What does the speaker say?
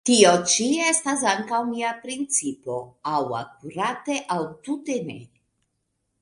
Tio ĉi estas ankaŭ mia principo; aŭ akurate, aŭ tute ne!